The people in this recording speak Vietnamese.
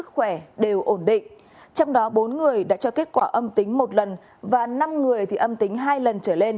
sức khỏe đều ổn định trong đó bốn người đã cho kết quả âm tính một lần và năm người âm tính hai lần trở lên